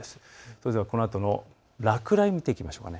それではこのあとの落雷を見ていきましょう。